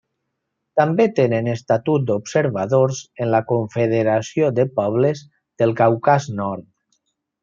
També tenen estatut d'observadors en la Confederació de Pobles del Caucas Nord.